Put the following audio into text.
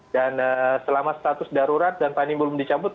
dan selama status darurat dan pandemi belum dijalankan